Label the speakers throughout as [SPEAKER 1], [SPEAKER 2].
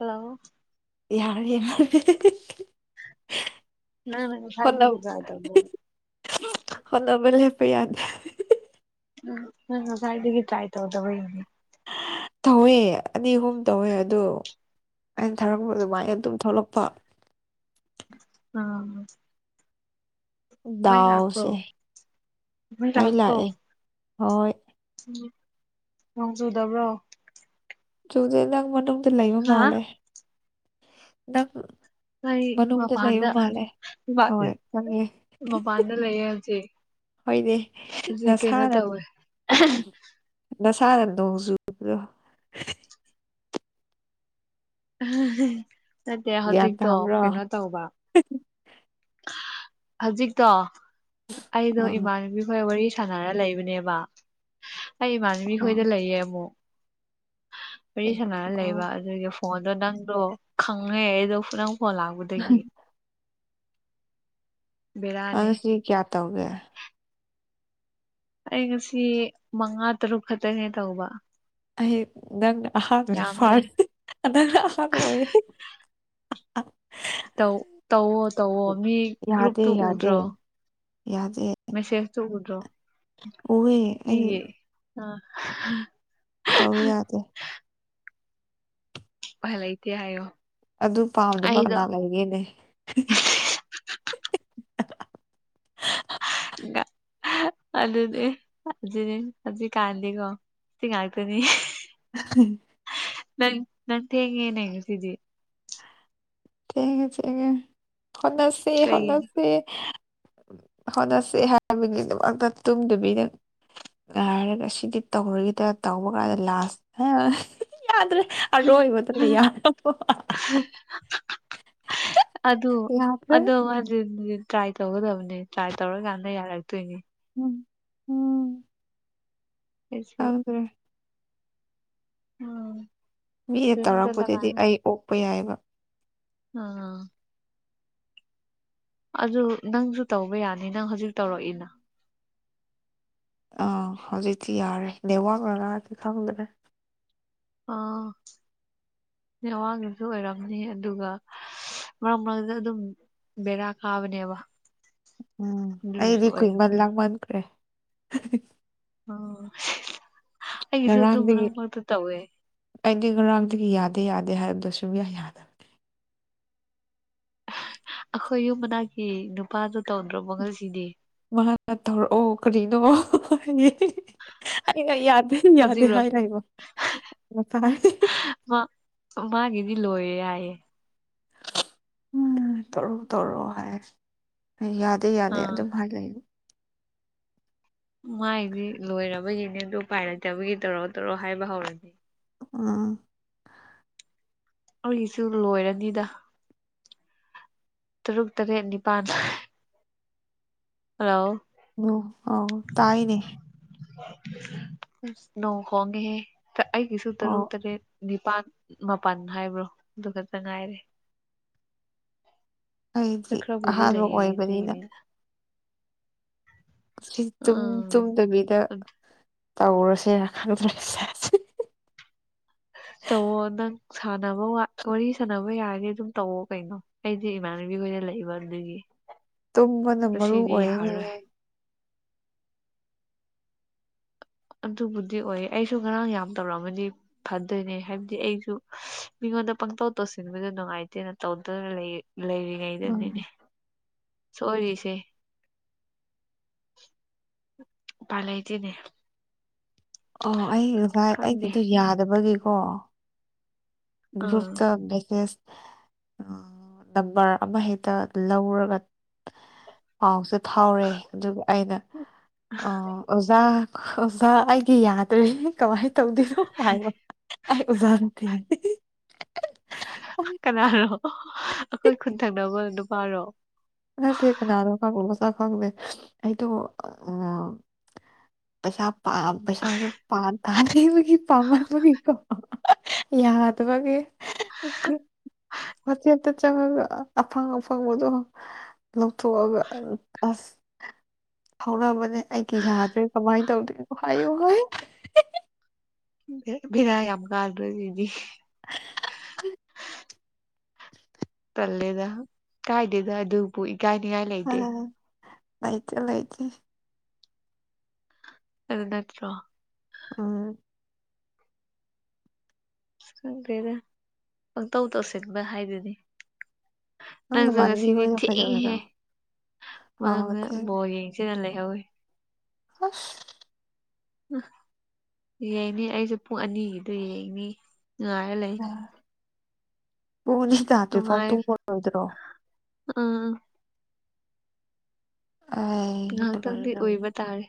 [SPEAKER 1] Hello
[SPEAKER 2] ꯌꯥꯔꯦ [unintelligible]
[SPEAKER 1] [unintelligible]
[SPEAKER 2] ꯍꯣꯠꯅ
[SPEAKER 1] ꯉꯁꯥꯏꯗꯒꯤ ꯗ꯭ꯔꯥꯏ [unintelligible]
[SPEAKER 2] ꯍꯣꯠꯅꯕ ꯂꯦꯞꯄ ꯌꯥꯗꯦ
[SPEAKER 1] ꯎꯝ ꯎꯝ ꯉꯁꯥꯏꯗꯒꯤ ꯇ꯭ꯔꯥꯏ ꯇꯧꯗꯕꯒꯤꯅꯦ꯫
[SPEAKER 2] ꯇꯧꯋꯦ ꯑꯅꯤ ꯑꯍꯨꯝ ꯇꯧꯋꯦ ꯑꯗꯨ ꯑꯩꯅ ꯊꯥꯔꯛꯄ ꯑꯗꯨꯃꯥꯏꯅ ꯑꯗꯨꯝ ꯊꯣꯛꯂꯛꯄ꯫
[SPEAKER 1] ꯑꯥ ꯃꯩ ꯂꯥꯛꯄ꯭ꯔꯣ
[SPEAKER 2] ꯗꯥꯎꯁꯦ
[SPEAKER 1] ꯃꯩ
[SPEAKER 2] ꯄꯩꯂꯥꯛ
[SPEAKER 1] ꯂꯥꯛꯄ꯭ꯔꯣ
[SPEAKER 2] ꯑꯦ ꯍꯣꯏ
[SPEAKER 1] ꯅꯣꯡ ꯆꯨꯗꯕ꯭ꯔꯣ?
[SPEAKER 2] ꯆꯨꯗꯦ ꯅꯪ ꯃꯅꯨꯡꯗ ꯂꯩꯕ
[SPEAKER 1] ꯍꯥ
[SPEAKER 2] ꯃꯥꯂꯦ ꯅꯪ
[SPEAKER 1] ꯑꯩ
[SPEAKER 2] ꯃꯅꯨꯡꯗ ꯂꯩꯕ
[SPEAKER 1] ꯃꯄꯥꯟꯗ
[SPEAKER 2] ꯃꯥꯜꯂꯦ ꯍꯣꯏ ꯈꯪꯉꯦ
[SPEAKER 1] [inaudible] ꯃꯄꯥꯟꯗ ꯂꯩꯌꯦ ꯍꯧꯖꯤꯛ
[SPEAKER 2] ꯍꯣꯏꯅꯦ
[SPEAKER 1] ꯍꯧꯖꯤꯛ ꯀꯩꯅꯣ
[SPEAKER 2] ꯅꯁꯥꯅ
[SPEAKER 1] ꯇꯧꯋꯦ
[SPEAKER 2] ꯅꯁꯥꯅ ꯅꯣꯡ ꯆꯨꯕꯗꯣ
[SPEAKER 1] ꯅꯠꯇꯦ ꯍꯧꯖꯤꯛꯇꯣ ꯀꯩꯅꯣ ꯇꯧꯕ
[SPEAKER 2] ꯎ
[SPEAKER 1] ꯍꯧꯖꯤꯛꯇꯣ ꯑꯩꯗꯣ ꯏꯃꯥꯟꯅꯕꯤ ꯈꯣꯏ ꯋꯥꯔꯤ ꯁꯥꯟꯅꯔ ꯂꯩꯕꯅꯦꯕ꯫ ꯑꯩ ꯏꯃꯥꯟꯅꯕꯤ
[SPEAKER 2] ꯑꯣ
[SPEAKER 1] ꯈꯣꯏꯗ ꯂꯩꯌꯦ ꯑꯃꯨꯛ ꯋꯥꯔꯤ
[SPEAKER 2] ꯑꯦ
[SPEAKER 1] ꯁꯥꯟꯅꯔ
[SPEAKER 2] ꯑꯣ
[SPEAKER 1] ꯂꯩꯕ ꯑꯗꯨꯒꯤ ꯐꯣꯟꯗꯣ ꯅꯪꯗꯣ ꯈꯪꯔꯦ ꯑꯩꯗꯣ ꯅꯪ ꯐꯣꯟ ꯂꯥꯛꯄꯗꯒꯤ
[SPEAKER 2] ꯑ
[SPEAKER 1] ꯕꯦꯔꯥꯅꯤ
[SPEAKER 2] ꯁꯤ ꯀꯌꯥ ꯇꯧꯒꯦ?
[SPEAKER 1] ꯑꯩ ꯉꯁꯤ ꯃꯉꯥ ꯇꯔꯨꯛ ꯈꯛꯇꯅꯦ ꯇꯧꯕ꯫
[SPEAKER 2] ꯑꯩ ꯅꯪꯅ ꯑꯍꯥꯟꯕꯅꯦ
[SPEAKER 1] ꯌꯥꯝꯗꯦ
[SPEAKER 2] ꯐꯥꯔꯁ ꯅꯪꯅ ꯑꯍꯥꯟꯕ ꯑꯣꯏꯌꯦ
[SPEAKER 1] ꯇꯧꯇꯧꯋꯣ ꯇꯧꯋꯣ ꯃꯤ
[SPEAKER 2] ꯌꯥꯗꯦ
[SPEAKER 1] ꯒ꯭ꯔꯨꯞꯇꯨ
[SPEAKER 2] ꯌꯥꯗꯦ
[SPEAKER 1] ꯎꯗ꯭ꯔꯣ
[SPEAKER 2] ꯌꯥꯗꯦ
[SPEAKER 1] ꯃꯦꯁꯦꯁꯇꯨ ꯎꯗ꯭ꯔꯣ
[SPEAKER 2] ꯎꯋꯦ ꯑꯩ
[SPEAKER 1] ꯃꯤꯒꯤ ꯑꯥ
[SPEAKER 2] ꯇꯧ ꯌꯥꯗꯦ
[SPEAKER 1] ꯐꯜ ꯂꯩꯇꯦ ꯍꯥꯏꯌꯣ
[SPEAKER 2] ꯑꯗꯨ ꯄꯥꯝꯗꯕ
[SPEAKER 1] ꯑꯩꯗꯣ
[SPEAKER 2] ꯀꯅꯥ ꯂꯩꯒꯦꯅꯦ INAUDIBLE
[SPEAKER 1] ꯑꯗꯨꯗꯤ ꯖꯤꯅꯤ ꯍꯧꯖꯤꯛꯀꯥꯟꯗꯤꯀꯣ ꯁꯤ ꯉꯥꯛꯇꯅꯤ
[SPEAKER 2] INAUDIBLE
[SPEAKER 1] ꯅꯪ ꯅꯪ ꯊꯦꯡꯉꯦꯅꯦ ꯉꯁꯤꯗꯤ
[SPEAKER 2] ꯊꯦꯡꯉꯦ ꯊꯦꯡꯉꯦ ꯍꯣꯠꯅꯁꯤ
[SPEAKER 1] ꯀꯩꯒꯤꯅꯣ
[SPEAKER 2] ꯍꯣꯠꯅꯁꯤ ꯍꯣꯠꯅꯁꯤ ꯍꯥꯏꯕꯒꯤꯗꯃꯛꯇ ꯇꯨꯝꯗꯕꯤꯗ ꯥꯉꯥꯏꯔꯒ ꯁꯤꯗꯤ ꯇꯧꯔꯒꯤꯗ꯭ꯔꯇꯧꯕ ꯀꯥꯟꯗ ꯂꯥꯁ ꯌꯥꯗ꯭ꯔꯦ ꯑꯔꯣꯏꯕꯗꯨꯅ ꯌꯥꯔꯕ
[SPEAKER 1] ꯑꯗꯣ
[SPEAKER 2] ꯌꯥꯗ꯭ꯔꯦ
[SPEAKER 1] ꯑꯗꯣꯋꯥꯖꯦ ꯇ꯭ꯔꯥꯏ ꯇꯧꯒꯗꯕꯅꯦ ꯇ꯭ꯔꯥꯏ ꯇꯧꯔꯀꯥꯟꯗ ꯌꯥꯔꯛꯇꯣꯏꯅꯦ
[SPEAKER 2] ꯎꯪ
[SPEAKER 1] ꯑꯩꯖꯨ ꯑꯣ
[SPEAKER 2] ꯈꯪꯗ꯭ꯔꯦ ꯃꯤꯅ ꯇꯧꯔꯛꯄꯗꯗꯤ ꯑꯩ ꯑꯣꯛꯄ ꯌꯥꯏꯑꯕ
[SPEAKER 1] ꯑꯥꯑꯥ ꯑꯗꯨ ꯅꯪꯖꯨ ꯇꯧꯕ ꯌꯥꯅꯤ ꯅꯪ ꯍꯧꯖꯤꯛ ꯇꯧꯔꯛꯏꯅ
[SPEAKER 2] ꯑꯥꯎ ꯍꯧꯖꯤꯛꯇꯤ ꯌꯥꯔꯦ ꯅꯦꯠꯋꯥꯛꯅꯔꯗꯤ ꯈꯪꯗ꯭ꯔꯦ
[SPEAKER 1] ꯑꯥꯑꯥ ꯅꯦꯠꯋꯥꯛꯅꯖꯨ ꯑꯣꯏꯔꯝꯅꯤ ꯑꯗꯨꯒ ꯃꯔꯛ ꯃꯔꯛꯗ ꯑꯗꯨꯝ ꯕꯦꯔꯥ ꯀꯥꯕꯅꯦꯕ
[SPEAKER 2] ꯎꯝ
[SPEAKER 1] ꯑꯗꯨꯒꯤꯁꯨ
[SPEAKER 2] ꯑꯩꯗꯤ ꯀꯨꯏꯃꯟ
[SPEAKER 1] ꯑꯣꯏꯔꯝꯅꯤ
[SPEAKER 2] ꯂꯥꯛꯃꯟꯈ꯭ꯔꯦ
[SPEAKER 1] ꯑꯣ ꯑꯩꯒꯤꯖꯨ ꯑꯗꯨꯝ
[SPEAKER 2] ꯉꯔꯥꯡꯗꯒꯤ
[SPEAKER 1] ꯃꯔꯛ ꯃꯔꯛꯇ ꯇꯧꯋꯦ
[SPEAKER 2] ꯑꯩꯗꯤ ꯉꯔꯥꯡꯗꯒꯤ ꯌꯥꯗꯦ ꯌꯥꯗꯦ ꯍꯥꯏꯕꯗꯣꯁꯨꯡꯌꯥ ꯌꯥꯗꯕ
[SPEAKER 1] ꯑꯩꯈꯣꯏ ꯌꯨꯝ ꯃꯅꯥꯛꯀꯤ ꯅꯨꯄꯥꯗꯣ ꯇꯧꯗ꯭ꯔꯕꯣ ꯉꯁꯤꯗꯤ
[SPEAKER 2] ꯃꯍꯥꯛꯅ ꯇꯧꯔꯛꯑꯣ ꯀꯔꯤꯅꯣ ꯍꯥꯏꯌꯦ ꯑꯩꯅ ꯌꯥꯗꯦ ꯌꯥꯗꯦ
[SPEAKER 1] ꯍꯧꯖꯤꯛꯔꯣ
[SPEAKER 2] ꯍꯥꯏꯔ ꯂꯩꯕ
[SPEAKER 1] ꯑꯣꯃꯥꯒꯤꯗꯤ ꯂꯣꯏꯔꯦ ꯍꯥꯏꯌꯦ
[SPEAKER 2] ꯎꯝ ꯇꯧꯔꯛꯑꯣ ꯇꯧꯔꯛꯑꯣ ꯍꯥꯏ ꯑꯩꯅ ꯌꯥꯗꯦ ꯌꯥꯗꯦ
[SPEAKER 1] ꯑꯥ
[SPEAKER 2] ꯑꯗꯨꯝ ꯍꯥꯏ ꯂꯩ
[SPEAKER 1] ꯃꯥꯏꯗꯤ ꯂꯣꯏꯔꯕꯒꯤꯅꯦ ꯑꯗꯨ ꯎꯄꯥꯏ ꯂꯩꯇꯕꯒꯤ ꯇꯧꯔꯣ ꯇꯧꯔꯣ ꯍꯥꯏꯕ ꯍꯧꯔꯤꯅꯤ
[SPEAKER 2] ꯎꯪ
[SPEAKER 1] ꯑꯩꯒꯤꯁꯨ ꯂꯣꯏꯔꯅꯤꯗ ꯇꯔꯨꯛ ꯇꯔꯦꯠ ꯅꯤꯄꯥꯟ ꯍꯥꯂꯣ
[SPEAKER 2] ꯎꯪ ꯑꯥꯎ ꯇꯥꯏꯌꯦꯅꯦ
[SPEAKER 1] ꯅꯣꯡ ꯈꯣꯡꯉꯦꯍꯦ ꯑꯩꯒꯤꯁꯨ
[SPEAKER 2] ꯑꯣ
[SPEAKER 1] ꯇꯔꯨꯛ ꯇꯔꯦꯠ ꯅꯤꯄꯥꯟ ꯃꯥꯄꯜ ꯍꯥꯏꯕ꯭ꯔꯣ ꯑꯗꯨ ꯈꯛꯇ ꯉꯥꯏꯔꯦ
[SPEAKER 2] ꯑꯩꯗꯤ
[SPEAKER 1] ꯈꯔꯕꯨꯗꯤ
[SPEAKER 2] ꯑꯍꯥꯟꯕ
[SPEAKER 1] ꯂꯩꯔꯤ
[SPEAKER 2] ꯑꯣꯏꯕꯅꯤꯅ
[SPEAKER 1] ꯑꯗꯨꯒꯤꯅꯤ
[SPEAKER 2] ꯁꯤ ꯇꯨꯝ
[SPEAKER 1] ꯎꯝ
[SPEAKER 2] ꯇꯨꯝꯗꯕꯤꯗ
[SPEAKER 1] ꯑꯗꯨ
[SPEAKER 2] ꯇꯧꯔꯁꯦꯅ ꯈꯪꯗ꯭ꯔꯦ
[SPEAKER 1] ꯇꯧꯋꯣ ꯅꯪ ꯁꯥꯟꯅꯕ ꯋꯥꯋꯥꯔꯤ ꯁꯥꯟꯅꯕ ꯌꯥꯔꯗꯤ ꯑꯗꯨꯝ ꯇꯧꯋꯣ ꯀꯩꯅꯣ ꯑꯩꯗꯤ ꯏꯃꯥꯟꯅꯕꯤꯈꯣꯏꯗ ꯂꯩꯕ ꯑꯗꯨꯒꯤ
[SPEAKER 2] ꯇꯨꯝꯕꯅ
[SPEAKER 1] ꯉꯁꯤꯗꯤ ꯌꯥꯔꯔꯣꯏ
[SPEAKER 2] ꯃꯔꯨꯑꯣꯏꯔꯦꯅꯦꯍꯦ
[SPEAKER 1] ꯑꯗꯨꯕꯨꯗꯤ ꯑꯣꯏꯌꯦ ꯑꯩꯁꯨ ꯉꯔꯥꯡ ꯌꯥꯝ ꯇꯧꯔꯛꯑꯝꯕꯅꯤ ꯐꯗꯣꯏꯅꯤ ꯍꯥꯏꯕꯗꯤ ꯑꯩꯁꯨ ꯃꯤꯉꯣꯟꯗ ꯄꯪꯇꯧ ꯇꯧꯁꯤꯟꯕꯗꯣ ꯅꯨꯡꯉꯥꯏꯇꯦꯅ ꯇꯧꯗꯅ ꯂꯩ
[SPEAKER 2] ꯎꯝ
[SPEAKER 1] ꯂꯩꯔꯤꯉꯩꯗꯅꯤꯅꯦ ꯁꯣꯏꯔꯤꯁꯦ ꯎꯄꯥꯏ ꯂꯩꯇꯦꯅꯦ
[SPEAKER 2] ꯑꯣ ꯑꯩ ꯉꯁꯥꯏ
[SPEAKER 1] ꯈꯪꯗꯦ
[SPEAKER 2] ꯑꯩꯒꯤꯗꯣ ꯌꯥꯗꯕꯒꯤꯀꯣ
[SPEAKER 1] ꯎꯝ
[SPEAKER 2] ꯒ꯭ꯔꯨꯞꯇ ꯃꯦꯁꯦꯁ ꯑꯥ ꯅꯝꯕꯔ ꯑꯃ ꯍꯦꯛꯇ ꯂꯧꯔꯒ ꯄꯥꯎꯁꯦ ꯐꯥꯎꯔꯦ ꯑꯗꯨꯒ ꯑꯩꯅ ꯑꯥ ꯑꯣꯖꯥ ꯑꯣꯖꯥ ꯑꯩꯒꯤ ꯌꯥꯗ꯭ꯔꯦ ꯀꯃꯥꯏꯅ ꯇꯧꯗꯣꯏꯅꯣ ꯍꯥꯏꯕ ꯑꯩ ꯑꯣꯖꯥ ꯅꯠꯇꯦ ꯍꯥꯢ [unintelligible] [unintelligible]
[SPEAKER 1] ꯀꯅꯥꯅꯣ ꯑꯩꯈꯣꯏ ꯈꯨꯟ ꯊꯪꯅꯕ ꯅꯨꯄꯥꯔꯣ
[SPEAKER 2] ꯅꯠꯇꯦ ꯀꯅꯥꯅꯣ ꯈꯪ [unintelligible] ꯃꯁꯛ ꯈꯪꯗꯦ ꯑꯩꯗꯣ ꯑꯥ ꯄꯩꯁꯥ ꯄꯥꯝ ꯄꯩꯁꯥꯁꯨ ꯄꯥꯝ ꯇꯥꯟꯅꯤꯡꯕꯒꯤ ꯒꯤ ꯄꯥꯝꯃꯟꯕꯒꯤꯀꯣ ꯌꯥꯗꯕꯒꯤ [unintelligible] ꯒ꯭ꯔꯨꯞ ꯋꯥꯆꯦꯞꯇ ꯆꯪꯉꯒ ꯑꯐꯪ ꯑꯐꯪꯕꯗꯣ ꯂꯧꯊꯣꯛꯑꯥꯒ ꯑꯁ ꯐꯥꯎꯅꯕꯅꯦ ꯑꯩꯒꯤ ꯌꯥꯗ꯭ꯔꯦ ꯀꯝꯃꯥꯏꯟ ꯇꯧꯗꯣꯢꯅꯣ ꯍꯥꯏꯌꯣ ꯍꯥꯢ
[SPEAKER 1] ꯕꯦ ꯕꯦꯔꯥ ꯌꯥꯝ ꯀꯥꯗ꯭ꯔꯣ ꯑꯩꯒꯤꯗꯤ ꯇꯜꯂꯦꯗ ꯀꯥꯏꯗꯦꯗ ꯑꯗꯨꯕꯨ ꯏꯀꯥꯏꯅꯤꯉꯥꯏ ꯂꯩꯇꯦ
[SPEAKER 2] ꯂꯩꯥꯇꯦ ꯂꯩꯇꯦ
[SPEAKER 1] ꯑꯗꯨ ꯅꯠꯇ꯭ꯔꯣ
[SPEAKER 2] ꯑꯥ
[SPEAKER 1] ꯈꯪꯗ꯭ꯔꯦꯗ ꯄꯪꯇꯧ ꯇꯧꯁꯤꯟꯕ ꯍꯥꯏꯗꯨꯅꯤ
[SPEAKER 2] ꯅꯪ
[SPEAKER 1] ꯅꯪꯖꯨ
[SPEAKER 2] ꯅꯃꯥꯟꯅꯕꯤ
[SPEAKER 1] ꯉꯁꯤꯗꯤ
[SPEAKER 2] ꯍꯣꯏꯗꯣ ꯀꯩꯗꯧꯔꯤꯅꯣ
[SPEAKER 1] ꯊꯦꯡꯉꯦꯍꯦ
[SPEAKER 2] ꯑꯥ
[SPEAKER 1] ꯃꯅꯨꯡꯗ
[SPEAKER 2] ꯊꯦꯡꯉꯦ
[SPEAKER 1] ꯕꯣꯜ ꯌꯦꯡ ꯁꯤꯅ ꯂꯩꯍꯧꯋꯦ
[SPEAKER 2] ꯑꯁ
[SPEAKER 1] [unintelligible] ꯌꯦꯡꯅꯤ ꯑꯩꯁꯨ ꯄꯨꯡ ꯑꯅꯤꯒꯤꯗꯣ ꯌꯦꯡꯅꯤ ꯉꯥꯏꯔ ꯂꯩ
[SPEAKER 2] ꯄꯨꯡ ꯑꯅꯤ ꯇꯥꯗ꯭ꯔꯤꯐꯥꯎ
[SPEAKER 1] ꯅꯨꯡꯉꯥꯏ
[SPEAKER 2] ꯇꯨꯡꯉꯔꯣꯏꯗꯔꯣ
[SPEAKER 1] ꯑꯥ
[SPEAKER 2] ꯑꯥꯢ
[SPEAKER 1] ꯉꯍꯥꯛꯇꯪꯗꯤ ꯎꯏꯕ ꯇꯥꯔꯦ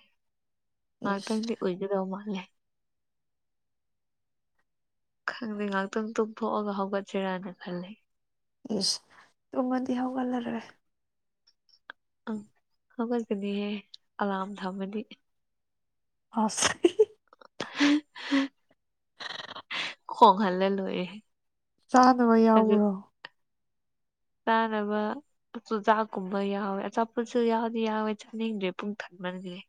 [SPEAKER 2] ꯏꯁ
[SPEAKER 1] ꯉꯍꯥꯛꯇꯪꯗꯤ ꯎꯏꯒꯗꯧ ꯃꯥꯜꯂꯦ ꯈꯪꯗꯦ ꯉꯥꯛꯇꯨꯝ ꯇꯨꯝꯊꯣꯛꯑꯥꯒ ꯍꯧꯒꯠꯁꯤꯔꯥꯅ ꯈꯜꯂꯦ
[SPEAKER 2] ꯏꯁ ꯇꯨꯝꯃꯗꯤ ꯍꯧꯒꯠꯂꯔꯣꯏ
[SPEAKER 1] ꯑꯪ ꯍꯧꯒꯠꯀꯅꯤꯍꯦ ꯑꯂꯥꯝ ꯊꯝꯃꯗꯤ
[SPEAKER 2] ꯑꯁ
[SPEAKER 1] [unintelligible]
[SPEAKER 2] [inaudible]
[SPEAKER 1] ꯈꯣꯡꯍꯜꯂ ꯂꯣꯢꯔꯦ
[SPEAKER 2] ꯆꯥꯅꯕ ꯌꯥꯎꯕ꯭ꯔꯣ
[SPEAKER 1] ꯆꯥꯅꯕ ꯆꯨꯖꯥꯛꯀꯨꯝꯕ ꯌꯥꯎꯋꯦ ꯑꯆꯥꯄꯣꯠꯁꯨ ꯌꯥꯎꯗꯤ ꯌꯥꯎꯋꯦ ꯆꯥꯅꯤꯡꯗ꯭ꯔꯦ ꯄꯨꯡ ꯊꯟꯃꯟꯒ꯭ꯔꯦ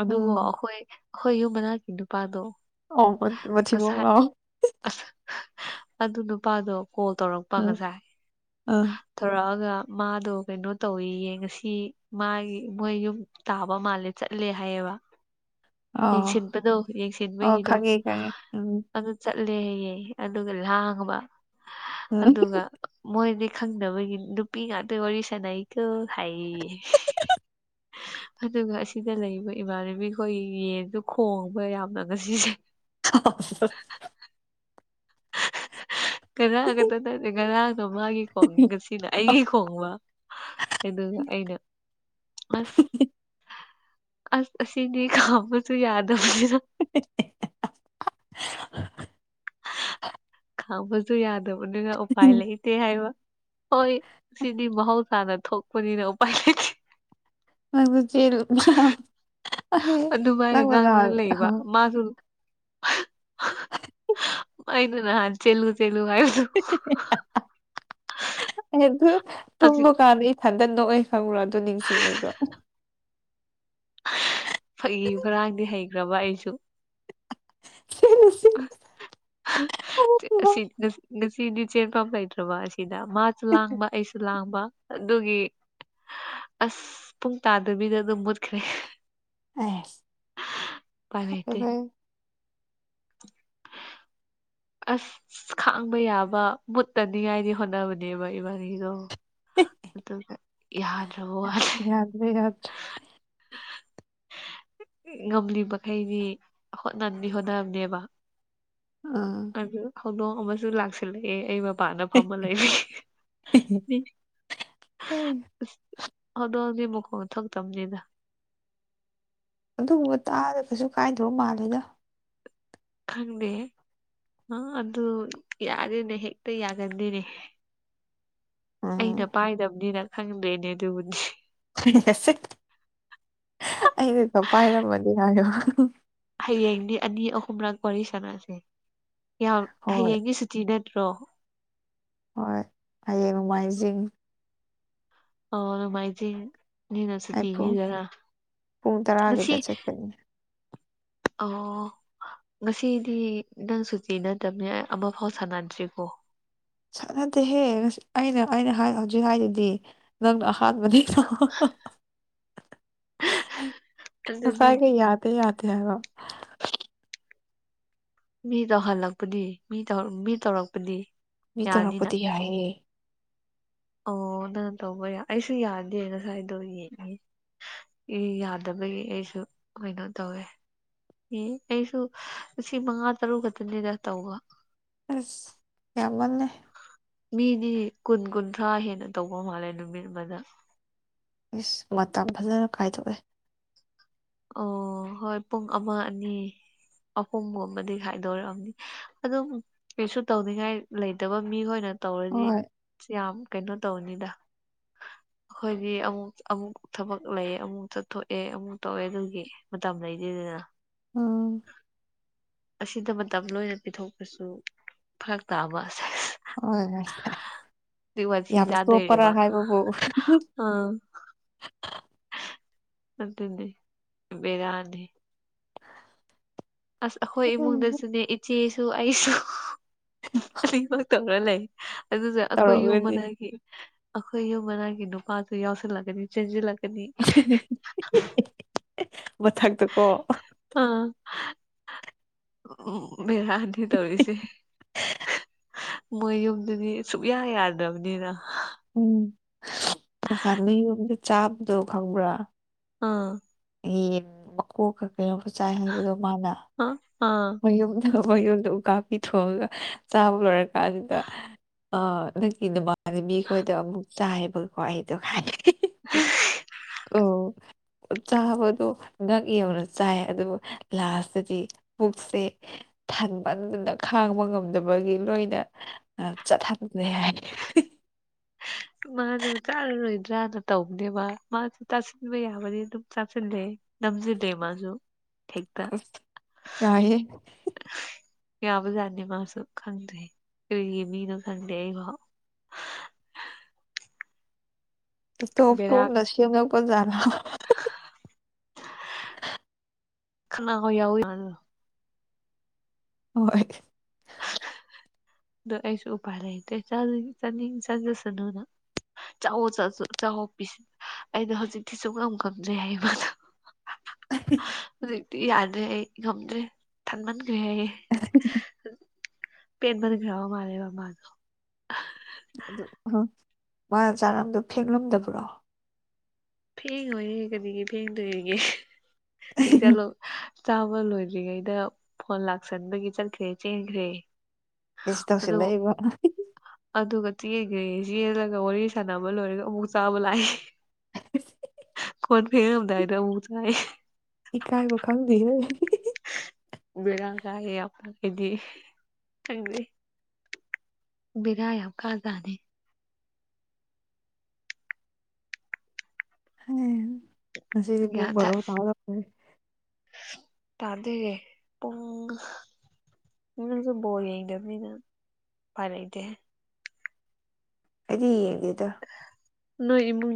[SPEAKER 1] ꯑꯗꯨꯕꯨ
[SPEAKER 2] ꯎꯝ
[SPEAKER 1] ꯑꯈꯣꯏ ꯑꯈꯣꯏ ꯌꯨꯝ ꯃꯅꯥꯛꯀꯤ ꯅꯨꯄꯥꯗꯣ
[SPEAKER 2] [unintelligible] ꯃꯊꯤꯕꯣꯡ
[SPEAKER 1] ꯉꯁꯥꯏ
[SPEAKER 2] ꯂꯥꯎ
[SPEAKER 1] ꯑꯁ ꯑꯗꯨ ꯅꯨꯄꯥꯗꯣ ꯀꯣꯜ ꯇꯧꯔꯛ
[SPEAKER 2] ꯎꯝ ꯑꯥ꯫
[SPEAKER 1] ꯊꯧꯔꯛꯑꯒ ꯃꯥꯗꯣ ꯀꯩꯅꯣ ꯇꯧꯋꯦꯌꯦ ꯉꯁꯤ ꯃꯥꯒꯤ ꯃꯣꯏ ꯌꯨꯝ ꯇꯥꯕ ꯃꯥꯂꯦ ꯆꯠ ꯂꯦ ꯍꯥꯢꯌꯦꯕ꯫
[SPEAKER 2] ꯑꯣ
[SPEAKER 1] ꯌꯦꯡꯁꯤꯟꯕꯗꯣ
[SPEAKER 2] ꯑꯣ
[SPEAKER 1] ꯌꯦꯡꯁꯤꯟꯕꯒꯤꯗꯣ
[SPEAKER 2] ꯈꯪꯉꯦ ꯈꯪꯉꯦ ꯎꯝ
[SPEAKER 1] ꯑꯗꯨ ꯆꯠꯂꯦ ꯍꯩꯌꯦ ꯑꯗꯨꯒ ꯂꯥꯡꯉꯕ
[SPEAKER 2] ꯎꯝ
[SPEAKER 1] ꯑꯗꯨꯒ ꯃꯣꯏꯗꯤ ꯈꯪꯗꯕꯒꯤ ꯅꯨꯄꯤ ꯉꯥꯛꯇ ꯋꯥꯔꯤ ꯁꯥꯟꯅꯩꯀꯣ ꯍꯥꯏꯌꯦꯌꯦ꯫ ꯑꯗꯨꯒ ꯑꯁꯤꯗ ꯂꯩꯕ ꯏꯃꯥꯟꯅꯕꯤꯈꯣꯏ ꯌꯦꯟꯗꯨ ꯈꯣꯡꯕ ꯌꯥꯝꯅ ꯉꯁꯤꯁꯦ꯫
[SPEAKER 2] [unintelligible]
[SPEAKER 1] [unintelligible] ꯗꯣ ꯃꯥꯒꯤ ꯈꯣꯡꯉꯦ ꯉꯁꯤꯅ ꯑꯩꯒꯤ ꯈꯣꯡꯕ ꯑꯗꯨꯒ ꯑꯩꯅ ꯑꯁ
[SPEAKER 2] [inaudible]
[SPEAKER 1] ꯑꯁ ꯑꯁꯤꯗꯤ ꯈꯥꯝꯕꯁꯨ ꯌꯥꯗꯝꯅꯤꯅ
[SPEAKER 2] [inaudible]
[SPEAKER 1] ꯍꯥꯡꯕꯁꯨ ꯌꯥꯗꯕꯅꯤꯅ ꯎꯄꯥꯏ ꯂꯩꯇꯦ ꯍꯥꯏꯕ ꯍꯣꯏ ꯁꯤꯗꯤ ꯃꯍꯧꯁꯥꯅ ꯊꯣꯛꯄꯅꯤꯅ ꯎꯄꯥꯏ ꯂꯩ
[SPEAKER 2] ꯅꯪꯖꯨ ꯆꯦ
[SPEAKER 1] ꯑꯗꯨꯃꯥꯏꯅ ꯉꯥꯡꯅ ꯂꯩꯕ
[SPEAKER 2] [unintelligible]
[SPEAKER 1] ꯃꯥꯁꯨ ꯃꯥꯢꯖꯨ ꯅꯍꯥꯟ ꯆꯦꯜꯂꯨ ꯆꯦꯜꯂꯨ ꯍꯥꯏ
[SPEAKER 2] [unintelligible] ꯑꯦ ꯑꯗꯨ
[SPEAKER 1] ꯍꯧꯖꯤꯛ
[SPEAKER 2] ꯇꯨꯝꯕ ꯀꯥꯟꯗ ꯏꯊꯟꯗ ꯅꯣꯛꯑꯦ ꯈꯪꯕ꯭ꯔ ꯑꯗꯨ ꯅꯤꯡꯁꯤꯡꯔꯒ
[SPEAKER 1] ꯐꯥꯒꯤ ꯐꯔꯥꯡꯗꯤ ꯍꯩꯈ꯭ꯔꯕ ꯑꯩꯁꯨ
[SPEAKER 2] [unintelligible]
[SPEAKER 1] ꯑꯁꯤ ꯉꯁꯤꯗꯤ ꯆꯦꯟꯐꯝ ꯂꯩꯇ꯭ꯔꯕ ꯑꯁꯤꯗ ꯃꯥ ꯂꯥꯡꯕ ꯑꯩꯁꯨ ꯂꯥꯡꯕ ꯑꯗꯨꯒꯤ ꯑꯁ ꯄꯨꯡ ꯇꯥꯗꯕꯤꯗ ꯑꯗꯨꯝ ꯃꯨꯠꯈ꯭ꯔꯦ
[SPEAKER 2] ꯑꯦ
[SPEAKER 1] ꯄꯥꯢ ꯂꯩꯇꯦ ꯑꯁ ꯈꯥꯡꯕ ꯌꯥꯕ ꯃꯨꯠꯇꯅꯤꯉꯥꯏꯗꯤ ꯍꯣꯠꯅꯕꯅꯦꯕ ꯏꯕꯥꯅꯤꯗꯣ ꯑꯗꯨꯒ ꯌꯥꯗ꯭ꯔꯕ ꯋꯥꯅꯦ
[SPEAKER 2] ꯌꯥꯗ꯭ꯔꯦ ꯌꯥꯗ꯭ꯔꯦ
[SPEAKER 1] ꯉꯝꯂꯤ ꯃꯈꯩꯗꯤ ꯍꯣꯠꯅꯗꯤ ꯍꯣꯠꯅꯕꯅꯦꯕ
[SPEAKER 2] ꯑꯥ
[SPEAKER 1] ꯑꯗꯨ ꯍꯧꯗꯣꯡ ꯑꯃꯁꯨ ꯂꯥꯛꯁꯤꯜꯂꯛꯑꯦ ꯑꯩꯕ ꯄꯥꯟꯗ ꯐꯝꯃ ꯂꯩꯕꯒꯤ ꯢ
[SPEAKER 2] ꯑꯦ
[SPEAKER 1] ꯑꯁ ꯍꯧꯗꯣꯡꯗꯤ ꯃꯈꯣꯟ ꯊꯣꯛꯇꯝꯅꯤꯗ
[SPEAKER 2] ꯑꯗꯨꯒꯨꯝꯕ ꯇꯥꯗ ꯀꯩꯁꯨ ꯀꯥꯏꯗꯕ ꯃꯥꯜꯂꯦꯗ
[SPEAKER 1] ꯈꯪꯗꯦꯍꯦ ꯑꯥ ꯑꯗꯨ ꯌꯥꯗꯦꯅꯦ ꯍꯦꯛꯇ ꯌꯥꯒꯟꯗꯦꯅꯦ ꯑꯩꯅ
[SPEAKER 2] ꯎꯝ
[SPEAKER 1] ꯄꯥꯏꯗꯝꯅꯤꯅ ꯈꯪꯗ꯭ꯔꯦꯅꯦ ꯑꯗꯨꯕꯨꯗꯤ
[SPEAKER 2] [unintelligible] ꯑꯩꯩꯅꯒ ꯄꯥꯏꯔꯝꯃꯗꯤ ꯍꯥꯏꯌꯣ
[SPEAKER 1] ꯍꯌꯦꯡꯗꯤ ꯑꯅꯤ ꯑꯍꯨꯝꯔꯛ ꯋꯥꯔꯤ ꯁꯥꯟꯅꯁꯦ ꯌꯥꯝ
[SPEAKER 2] ꯍꯣꯏ
[SPEAKER 1] ꯍꯌꯦꯡꯗꯤ ꯁꯨꯇꯤ ꯅꯠꯇ꯭ꯔꯣ
[SPEAKER 2] ꯍꯣꯏ ꯍꯌꯦꯡ ꯅꯣꯡꯃꯥꯏꯖꯤꯡ
[SPEAKER 1] ꯑꯣ ꯅꯨꯡꯃꯥꯏꯖꯤꯡꯅꯤꯅ
[SPEAKER 2] ꯑꯩ ꯄꯨꯡ
[SPEAKER 1] ꯁꯨꯇꯤꯅꯤꯗꯅ
[SPEAKER 2] ꯄꯨꯡ
[SPEAKER 1] ꯉꯁꯤ
[SPEAKER 2] ꯇꯔꯥꯒꯤꯗ ꯆꯠꯀꯅꯤ
[SPEAKER 1] ꯑꯧ ꯉꯁꯤꯗꯤ ꯅꯪ ꯁꯨꯇꯤ ꯅꯠꯇꯕꯅꯤ ꯑꯃꯐꯥꯎ ꯁꯥꯟꯅꯗ꯭ꯔꯤꯀꯣ
[SPEAKER 2] ꯁꯥꯟꯅꯗꯦꯍꯦ ꯉꯁꯤ ꯑꯩꯅ ꯑꯩꯅ ꯍꯥꯏ ꯍꯧꯖꯤꯛ ꯍꯥꯏꯗꯨꯗꯤ ꯅꯪꯅ ꯑꯍꯥꯟꯕꯅꯤꯅ
[SPEAKER 1] ꯑꯗꯨꯗꯤ
[SPEAKER 2] ꯉꯁꯥꯏꯒ ꯌꯥꯠ ꯇ ꯌꯥꯗꯦ ꯍꯥꯏꯕ
[SPEAKER 1] ꯃꯤ ꯇꯧꯍꯜꯂꯛꯄꯗꯤ ꯃꯤ ꯇꯧꯔ ꯃꯤ ꯇꯧꯔꯛꯄꯗꯤ
[SPEAKER 2] ꯃꯤ
[SPEAKER 1] ꯌꯥꯅꯤꯅ
[SPEAKER 2] ꯇꯧꯔꯛꯄꯗꯤ ꯌꯥꯏꯌꯦ
[SPEAKER 1] ꯑꯣ ꯅꯪꯅ ꯇꯧꯕ ꯌꯥ ꯑꯩꯁꯨ ꯌꯥꯗꯦ ꯉꯁꯥꯏꯗꯣ ꯌꯦꯡꯉꯦ ꯌꯥꯗꯕꯒꯤ ꯑꯩꯁꯨ ꯀꯩꯅꯣ ꯇꯧꯋꯦ ꯃꯤ ꯑꯩꯁꯨ ꯂꯤꯁꯤꯡ ꯃꯉꯥ ꯇꯔꯨꯛ ꯈꯛꯇꯅꯤꯗ ꯇꯧꯕ
[SPEAKER 2] ꯑꯁ ꯌꯥꯝꯃꯜꯂꯦ
[SPEAKER 1] ꯃꯤꯗꯤ ꯀꯨꯟ ꯀꯨꯟꯊ꯭ꯔꯥ ꯍꯦꯟꯅ ꯇꯧꯕ ꯃꯥꯜꯂꯦ ꯅꯨꯃꯤꯠ ꯑꯃꯗ
[SPEAKER 2] ꯏꯁ ꯃꯇꯝ ꯐꯖꯅ ꯀꯥꯏꯊꯣꯛꯑꯦ
[SPEAKER 1] ꯑꯣ ꯍꯣꯏ ꯄꯨꯡ ꯑꯃ ꯑꯅꯤ ꯑꯍꯨꯝꯒꯨꯝꯕꯗꯤ ꯈꯥꯏꯗꯣꯔꯛꯑꯝꯅꯤ ꯑꯗꯨꯕꯨ ꯀꯩꯁꯨ ꯇꯧꯅꯤꯡꯉꯥꯏ ꯂꯩꯇꯕ ꯃꯤꯈꯣꯏꯅ ꯇꯧꯔꯗꯤ
[SPEAKER 2] ꯍꯣꯏ
[SPEAKER 1] ꯌꯥꯝ ꯀꯩꯅꯣ ꯇꯧꯅꯤꯗ ꯑꯩꯈꯣꯏꯗꯤ ꯑꯃꯨꯛ ꯑꯃꯨꯛ ꯊꯕꯛ ꯂꯩꯌꯦ ꯑꯃꯨꯛ ꯆꯠꯊꯣꯛꯑꯦ ꯑꯃꯨꯛ ꯇꯧꯋꯦ ꯑꯗꯨꯒꯤ ꯃꯇꯝ ꯂꯩꯗꯦꯗꯅ
[SPEAKER 2] ꯎꯝ
[SPEAKER 1] ꯑꯁꯤꯗ ꯃꯇꯝ ꯂꯣꯏꯅ ꯄꯤꯊꯣꯛꯄꯁꯨ ꯐꯔꯛ ꯇꯥꯕ ꯑꯁ ꯑꯁ
[SPEAKER 2] ꯍꯣꯏ
[SPEAKER 1] ꯑꯗꯨꯏ ꯋꯥꯊꯤ
[SPEAKER 2] ꯌꯥꯝ ꯆꯣꯞꯄꯔꯥ
[SPEAKER 1] ꯆꯥꯗꯣꯏꯔꯦꯕ
[SPEAKER 2] ꯍꯥꯏꯕꯕꯨ
[SPEAKER 1] ꯑꯥ ꯑꯗꯨꯅꯦ ꯕꯦꯔꯥꯅꯤꯍꯦ ꯑꯁ ꯑꯩꯈꯣꯏ ꯏꯃꯨꯡꯗꯁꯨꯅꯦ ꯏꯆꯦꯁꯨ ꯑꯩꯁꯨ ꯑꯅꯤꯃꯛ ꯇꯧꯔ ꯂꯩ ꯑꯗꯨꯁꯨ ꯑꯩꯈꯣꯏ ꯌꯨꯝ
[SPEAKER 2] ꯇꯧꯔꯒꯗꯤ
[SPEAKER 1] ꯃꯅꯥꯛꯀꯤ ꯑꯈꯣꯏ ꯌꯨꯝ ꯃꯅꯥꯛꯒꯤ ꯅꯨꯄꯥꯗꯨ ꯌꯥꯎꯁꯜꯂꯛꯀꯅꯤ ꯆꯦꯟꯖꯤꯜꯂꯛ
[SPEAKER 2] ꯃꯊꯛꯇꯀꯣ
[SPEAKER 1] ꯑꯥ ꯎꯝ ꯕꯦꯔꯥꯅꯤ ꯇꯧꯔꯤꯁꯦ ꯃꯣꯏ ꯌꯨꯝꯗꯨꯗꯤ ꯁꯨꯛꯌꯥ ꯌꯥꯗ꯭ꯔꯕꯅꯤꯅ
[SPEAKER 2] ꯎꯝ ꯅꯍꯥꯟꯗ ꯌꯨꯝꯗ ꯆꯥꯕꯗꯣ ꯈꯪꯕ꯭ꯔꯥ
[SPEAKER 1] ꯑꯥ
[SPEAKER 2] ꯌꯦꯟ ꯃꯀꯣꯛꯀ ꯀꯩꯅꯣꯒ ꯆꯥꯏ ꯍꯥꯏꯕꯗꯣ ꯃꯥꯅ
[SPEAKER 1] ꯑ ꯑꯥ
[SPEAKER 2] ꯃꯌꯨꯝꯗ ꯃꯌꯨꯝꯗ ꯎꯀꯥꯕꯤ ꯊꯣꯡꯉꯒ ꯆꯥꯕ ꯂꯣꯏꯔ ꯀꯥꯟꯗꯨꯗ ꯑ ꯅꯪꯒꯤ ꯅꯃꯥꯟꯅꯕꯤꯈꯣꯏꯗꯣ ꯑꯃꯨꯛ ꯆꯥꯏꯌꯦꯕꯀꯣ ꯑꯩꯗꯣ ꯍꯥꯏꯅ ꯑꯣ ꯆꯥꯕꯗꯣ ꯉꯛ ꯌꯧꯅ ꯆꯥꯏ ꯑꯗꯨꯕꯨ ꯂꯥꯁꯇꯗꯤ ꯄꯨꯛꯁꯦ ꯊꯟꯃꯟꯗꯅ ꯈꯥꯡꯕ ꯉꯝꯗꯕꯒꯤ ꯂꯣꯏꯅ ꯑ ꯆꯠꯍꯟꯒ꯭ꯔꯦ ꯍꯥꯏ
[SPEAKER 1] ꯃꯥꯖꯨ ꯆꯥꯔꯔꯣꯏꯗ꯭ꯔꯥꯅ ꯇꯧꯕꯅꯦꯕ ꯃꯥꯖꯨ ꯆꯥꯁꯟꯕ ꯌꯥꯕꯗꯤ ꯑꯗꯨꯝ ꯆꯥꯁꯜꯂꯦ ꯅꯝꯖꯗꯦ ꯃꯥꯖꯨ
[SPEAKER 2] ꯌꯥꯏꯍꯦ
[SPEAKER 1] ꯌꯥꯕ ꯖꯥꯠꯅꯤ ꯃꯥꯁꯨ ꯈꯪꯗꯦ ꯀꯔꯤꯒꯤ ꯃꯤꯅꯣ ꯈꯪꯗꯦ ꯑꯩꯐꯥꯎ
[SPEAKER 2] ꯏꯇꯣꯞ
[SPEAKER 1] ꯕꯦꯔꯥ
[SPEAKER 2] ꯇꯣꯞꯅ ꯁꯦꯝꯂꯛꯄꯖꯥꯠꯂꯣ
[SPEAKER 1] [unintelligible]
[SPEAKER 2] [unintelligible]
[SPEAKER 1] ꯈꯅꯥꯎ ꯌꯧꯋꯤ ꯑꯗꯨꯗꯣ
[SPEAKER 2] [unintelligible] [unintelligible]
[SPEAKER 1] ꯑꯗꯣ ꯑꯩꯁꯨ ꯎꯄꯥꯏ ꯂꯩꯇꯦ ꯆꯥꯅꯤꯡ ꯆꯥꯅꯤꯡ ꯆꯥꯖꯁꯅꯨꯅ ꯆꯥꯎꯋꯣ ꯆ ꯆ ꯆꯥꯎꯋꯣ ꯄꯤꯁ ꯑꯩꯗꯣ ꯍꯧꯖꯤꯛꯇꯤ ꯁꯨꯛꯉꯝ ꯉꯝꯗ꯭ꯔꯦ ꯍꯩꯕꯗꯨ
[SPEAKER 2] [unintelligible]
[SPEAKER 1] ꯍꯨꯖꯤꯛꯇꯤ ꯌꯥꯗ꯭ꯔꯦ ꯑꯩ ꯉꯝꯗ꯭ꯔꯦ ꯊꯟꯃꯟꯈ꯭ꯔꯦ ꯑꯩ ꯄꯦꯟꯃꯟꯈ꯭ꯔꯕ ꯃꯥꯜꯂꯦꯕ ꯃꯥꯗꯣ
[SPEAKER 2] ꯑꯗꯨ ꯍꯥ ꯃꯥꯅ ꯆꯥꯔꯝꯗꯣ ꯐꯦꯡꯂꯝꯗꯕ꯭ꯔꯣ
[SPEAKER 1] ꯐꯦꯡꯉꯣꯏꯌꯦ ꯀꯔꯤꯒꯤ ꯐꯦꯡꯗꯣꯏꯔꯤꯒꯦ ꯍꯦꯛꯆꯜꯂꯣ ꯆꯥꯕ ꯂꯣꯏꯗ꯭ꯔꯤꯉꯩꯗ ꯐꯣꯟ ꯂꯥꯛꯁꯟꯕꯒꯤ ꯆꯠꯈ꯭ꯔꯦ ꯆꯦꯟꯈ꯭ꯔꯦ
[SPEAKER 2] ꯢꯁ
[SPEAKER 1] ꯑꯗꯨ
[SPEAKER 2] ꯇꯧꯁꯜꯂꯛꯢꯕ
[SPEAKER 1] ꯑꯗꯨꯒ ꯆꯦꯟꯒꯩ ꯆꯦꯜꯂꯒ ꯋꯥꯔꯤ ꯁꯥꯟꯅꯕ ꯂꯣꯏꯔꯒ ꯑꯃꯨꯛ ꯆꯥꯕ ꯂꯥꯛꯑꯦ
[SPEAKER 2] [unintelligible]
[SPEAKER 1] ꯐꯦꯡꯉꯝꯗꯥꯥꯏꯗ ꯑꯃꯨꯛ ꯆꯥꯢ
[SPEAKER 2] ꯏꯀꯥꯏꯕ ꯈꯪꯗꯦꯍꯦ
[SPEAKER 1] ꯕꯦꯔꯥ ꯀꯥꯏꯍꯦ ꯌꯥꯝ ꯑꯩꯗꯤ ꯈꯪꯗ꯭ꯔꯤ ꯕꯤꯔꯥ ꯌꯥꯝ ꯀꯥ ꯖꯥꯠꯅꯦ
[SPEAKER 2] ꯍꯦ ꯉꯁꯤꯗꯤ ꯄꯨꯡ ꯕꯥꯔꯣ ꯇꯥꯔꯛꯄꯅꯤ
[SPEAKER 1] ꯄꯥꯗ꯭ꯔꯤꯌꯦ ꯄꯨꯡ ꯅꯔꯁꯡꯁꯨ ꯕꯣꯜ ꯌꯦꯡꯗꯕꯤꯗ ꯄꯥꯢ ꯂꯩꯇꯦ
[SPEAKER 2] ꯑꯩꯗꯤ ꯌꯦꯡꯗꯦꯗ
[SPEAKER 1] ꯅꯣꯏ ꯏꯃꯨꯡ